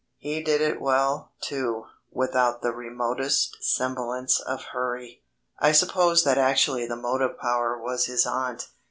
He did it well, too, without the remotest semblance of hurry. I suppose that actually the motive power was his aunt.